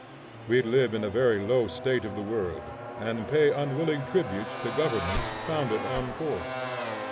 We live in a very low state of the world, and pay unwilling tribute to governments founded on force.